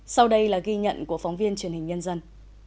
sau đây là ghi nhận của phóng viên truyền hình nhân dân